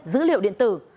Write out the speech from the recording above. dữ liệu điện tử